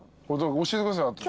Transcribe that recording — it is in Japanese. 教えてください後で。